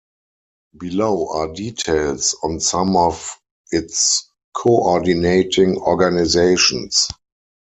Below are details on some of its coordinating organizations.